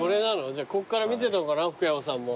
じゃあこっから見てたのかな福山さんも。